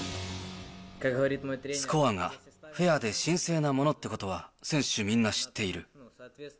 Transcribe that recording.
スコアがフェアで神聖なものっていうことは、選手みんな知っている。